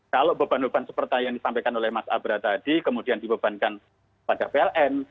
kalau beban beban seperti yang disampaikan oleh mas abra tadi kemudian dibebankan pada pln